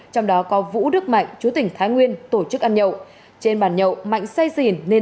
trong đó có vũ đức mạnh chú tỉnh thái nguyên tổ chức ăn nhậu trên bàn nhậu mạnh say xỉn nên